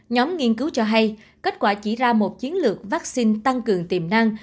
nhóm nghiên cứu cho hay kết quả chỉ ra một chiến lược vaccine tăng cường tiềm năng